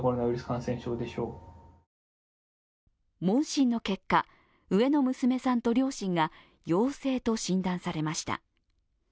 問診の結果、上の娘さんと両親が陽性と診断されました。